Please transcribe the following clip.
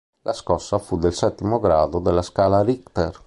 La scossa fu del settimo grado della scala Richter.